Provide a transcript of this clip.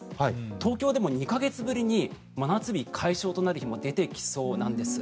東京でも２か月ぶりに真夏日解消となる日も出てきそうなんです。